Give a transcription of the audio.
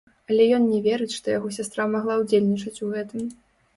Але ён не верыць, што яго сястра магла ўдзельнічаць у гэтым.